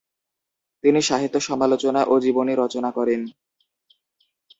তিনি সাহিত্য সমালোচনা ও জীবনী রচনা করেন।